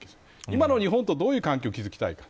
今の日本とどういう関係を築きたいか。